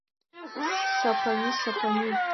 - Сапани, Сапани